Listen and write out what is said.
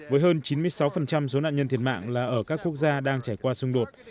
với hơn chín mươi sáu số nạn nhân thiệt mạng là ở các quốc gia đang trải qua xung đột